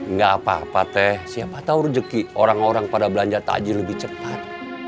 nggak apa apa teh siapa tahu rezeki orang orang pada belanja takjil lebih cepat